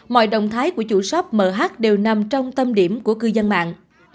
mọi động thái của chủ shop mh đều nằm trong tâm điểm của cư dân mạng